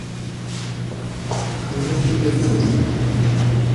Vous ne restez pas ici ?